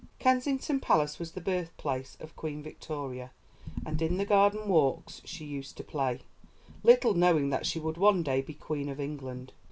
Kensington Palace was the birthplace of Queen Victoria, and in the garden walks she used to play, little knowing that she would one day be Queen of England.